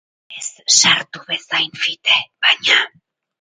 Ez sartu bezain fite, baina.